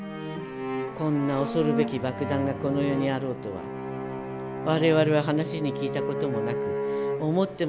こんな恐るべき爆弾がこの世にあろうとは我々は話に聞いたこともなく思ってもみたことがない。